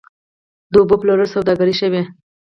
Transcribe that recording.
د اوبو پلورل سوداګري شوې؟